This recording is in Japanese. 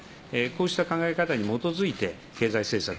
こうした考え方に基づいて経済政策